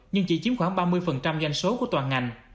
nhưng chỉ chiếm khoảng ba mươi doanh số của toàn ngành